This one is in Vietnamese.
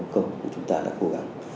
chúng ta đã cố gắng